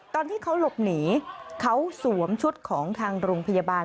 ตอนที่เขาหลบหนีเขาสวมชุดของทางโรงพยาบาล